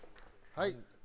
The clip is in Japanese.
はい！